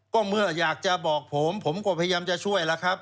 ก็เมื่ออยากจะบอกผมผมก็พยายามจะช่วยแล้วครับ